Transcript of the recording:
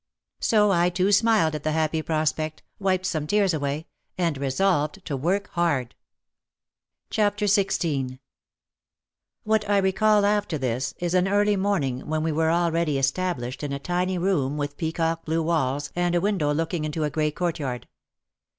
So I too smiled at the happy prospect, wiped some tears away and resolved to work hard. OUT OF THE SHADOW 71 XVI What I recall after this is an early morning when we were already established in a tiny room with peacock blue walls and a window looking into a grey courtyard.